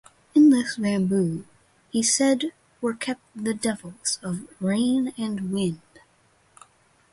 In this bamboo, he said, were kept the devils of rain and wind.